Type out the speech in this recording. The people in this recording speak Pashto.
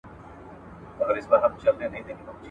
بزه په خپلو ښکرو نه درنېږي.